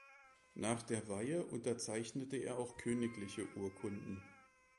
Nach der Weihe unterzeichnete er auch königliche Urkunden.